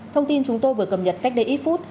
thông tin chúng tôi vừa cập nhật cách đây ít phút